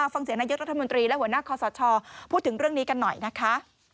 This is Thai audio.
ฟังเสียงนายกรัฐมนตรีและหัวหน้าคอสชพูดถึงเรื่องนี้กันหน่อยนะคะ